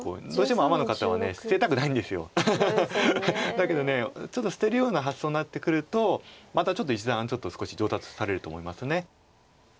だけどちょっと捨てるような発想になってくるとまたちょっと一段少し上達されると思います。